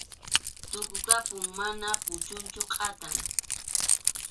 Tukukapun, mana puchunchu, kʼatam.